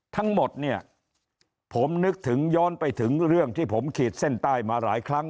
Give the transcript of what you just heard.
ทั้งหมดเนี่ยผมนึกถึงย้อนไปถึงเรื่องที่ผมขีดเส้นใต้มาหลายครั้ง